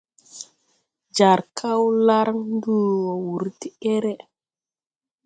Jar Kaolar nduu wɔɔ wur degɛrɛ.